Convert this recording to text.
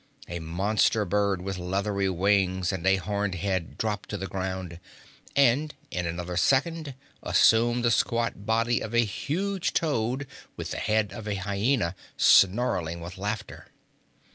A monster bird with leathery wings and a horned head dropped to the ground, and in another second assumed the squat body of a huge toad with the head of a hyena, snarling with laughter.